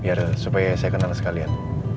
biar supaya saya kenal sekalian